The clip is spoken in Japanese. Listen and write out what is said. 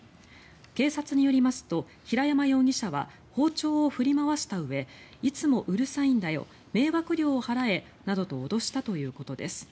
警察によりますと平山容疑者は包丁を振り回したうえいつもうるさいんだよ迷惑料を払えなどと脅したということです。